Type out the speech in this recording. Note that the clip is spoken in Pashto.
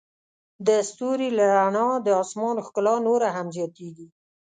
د ستوري له رڼا د آسمان ښکلا نوره هم زیاتیږي.